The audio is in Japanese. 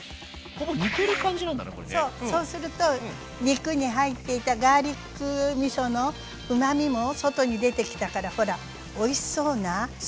そうそうすると肉に入っていたガーリックみそのうまみも外に出てきたからほらおいしそうなスープになってない？